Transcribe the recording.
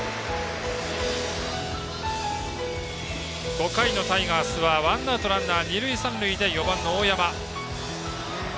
５回のタイガースはワンアウトランナー、二塁三塁で４番の大山。